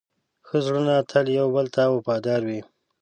ښه زړونه تل یو بل ته وفادار وي.